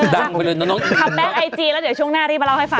ไปเลยนะน้องคัมแก๊กไอจีแล้วเดี๋ยวช่วงหน้ารีบมาเล่าให้ฟัง